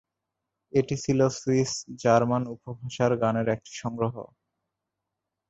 এটি ছিল Swiss German উপভাষার গানের একটি সংগ্রহ।